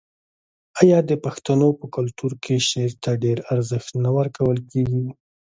آیا د پښتنو په کلتور کې شعر ته ډیر ارزښت نه ورکول کیږي؟